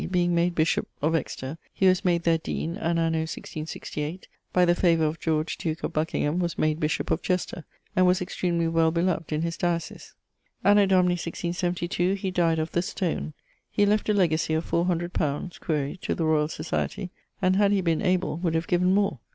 being made bishop of Excester, he was made there deane, and anno 166<8> by the favour of George, duke of Buckingham, was made bishop of Chester; and was extremely well beloved in his diocese. Anno Domini <1672> he dyed of . He left a legacy of four hundred pounds (quaere) to the Royall Society, and had he been able would have given more.